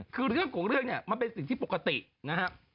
คือเรื่องของเรื่องเนี่ยมันเป็นสิ่งที่ปกตินะครับ